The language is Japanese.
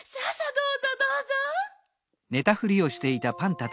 どうぞどうぞ。